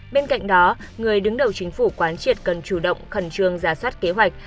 bên cạnh đó người đứng đầu chính phủ quán triệt cần chủ động khẩn trương ra soát kế hoạch